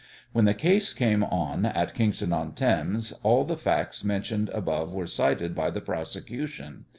When the case came on at Kingston on Thames all the facts mentioned above were cited by the prosecution.